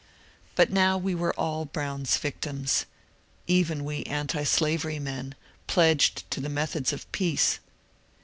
But now we were all Brown's victims — even we antislavery men, pledged to the methods of peace.